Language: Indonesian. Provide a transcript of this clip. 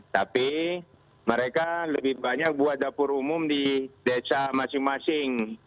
tapi mereka lebih banyak buat dapur umum di desa masing masing